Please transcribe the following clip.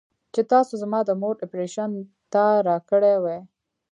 چې تاسو زما د مور اپرېشن ته راكړې وې.